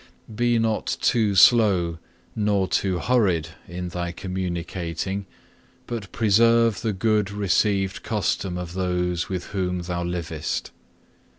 Be not too slow nor too hurried in thy celebrating, but preserve the good received custom of those with whom thou livest.